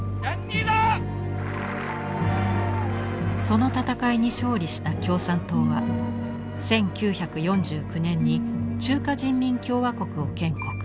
その戦いに勝利した共産党は１９４９年に中華人民共和国を建国。